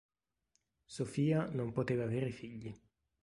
Sof'ja non poteva avere figli.